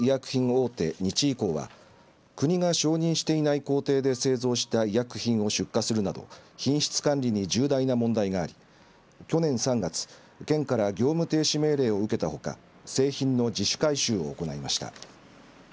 大手日医工は国が承認していない工程で製造した医薬品を出荷するなど品質管理に重大な問題があり去年３月、県から業務停止命令を受けたほか製品の自主回収を行いました。